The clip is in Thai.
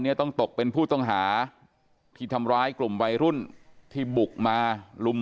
ต้องตกเป็นผู้ต้องหาที่ทำร้ายกลุ่มวัยรุ่นที่บุกมาลุม